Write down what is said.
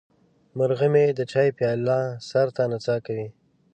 مرغه مې د چای پیاله سر ته نڅا کوي.